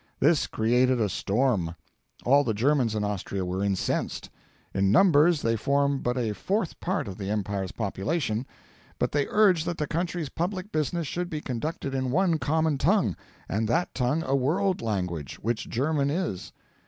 This created a storm. All the Germans in Austria were incensed. In numbers they form but a fourth part of the empire's population, but they urge that the country's public business should be conducted in one common tongue, and that tongue a world language which German is.